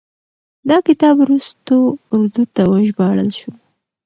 دا کتاب وروستو اردو ته وژباړل شو.